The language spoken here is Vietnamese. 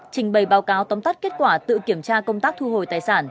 trình bày báo cáo tóm tắt kết quả tự kiểm tra công tác thu hồi tài sản